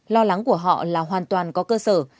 lo lắng của họ là hoàn toàn có cơ sở